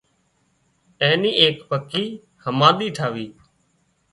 اين ايڪ پڪي هماۮي ٺاهي